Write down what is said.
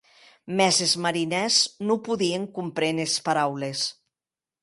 Mès es marinèrs non podien compréner es paraules.